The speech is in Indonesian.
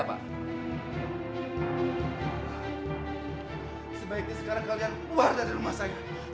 sebaiknya sekarang kalian keluar dari rumah saya